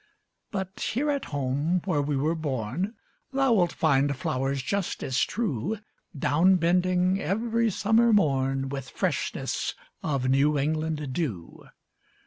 But here at home, where we were born, Thou wilt find flowers just as true, Down bending every summer morn With freshness of New England dew.